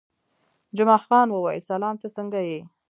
جمعه خان وویل: سلام، ته څنګه یې؟